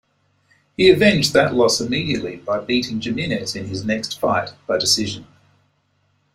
He avenged that loss immediately by beating Jimenez in his next fight, by decision.